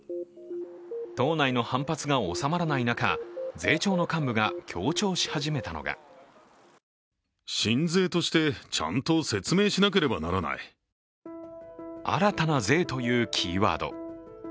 党内の反発が収まらない中税調の幹部が強調し始めたのが新たな税というキーワード。